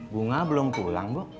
bunga belum pulang bu